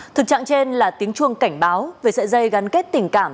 thực trạng trên là tiếng chuông cảnh báo về sợi dây gắn kết tình cảm